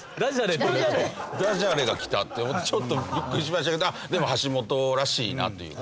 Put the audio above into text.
ダジャレがきたって思ってちょっとビックリしましたけどでも橋本らしいなというか。